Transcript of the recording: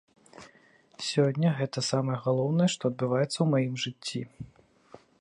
Сёння гэта самае галоўнае, што адбываецца ў маім жыцці!